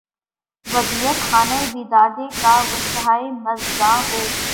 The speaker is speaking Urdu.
ودیعت خانۂ بیدادِ کاوشہائے مژگاں ہوں